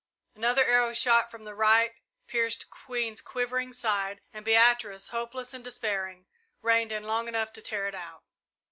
Another arrow, shot from the right, pierced Queen's quivering side, and Beatrice, hopeless and despairing, reined in long enough to tear it out.